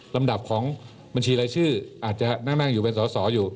ลำดับของบัญชีรายชื่ออาจจะนั่งอยู่เป็นสอสออยู่